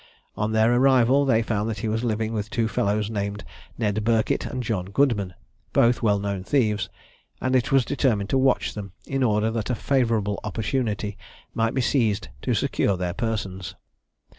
On their arrival they found that he was living with two fellows named Ned Burkitt and John Goodman, both well known thieves; and it was determined to watch them, in order that a favourable opportunity might be seized to secure their persons.